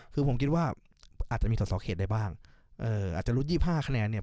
คือผมคิดว่าอาจจะมีสอสอเขตได้บ้างเอ่ออาจจะรุ่นยี่บห้าคะแนนเนี่ย